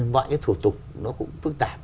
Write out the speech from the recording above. bọn những thủ tục nó cũng phức tạp